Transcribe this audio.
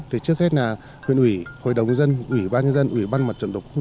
thì trước hết là huyện ủy hội đồng dân ủy ban nhân dân ủy ban mật trận tục